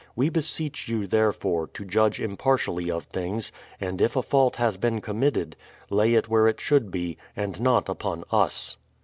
We beseech you, therefore, to judge impartially of things, and if a fault has been committed, laj' it where it should be, and not upon us.